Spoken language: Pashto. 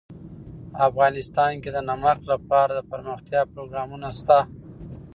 افغانستان کې د نمک لپاره دپرمختیا پروګرامونه شته.